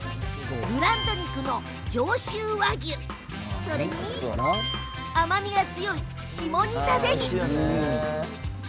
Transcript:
ブランド肉の上州和牛に甘みが強い下仁田ねぎ。